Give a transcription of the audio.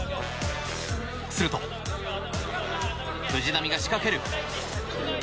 すると、藤波が仕掛ける。